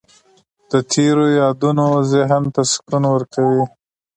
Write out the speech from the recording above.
د تېرو یادونه ذهن ته سکون ورکوي.